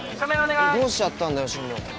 どうしちゃったんだよ進藤。